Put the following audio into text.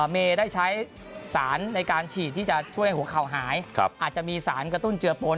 เมย์ได้ใช้สารในการฉีดที่จะช่วยให้หัวเข่าหายอาจจะมีสารกระตุ้นเจือปน